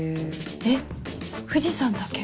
えっ藤さんだけ？